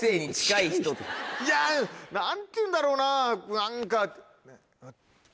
いや何ていうんだろうな何か。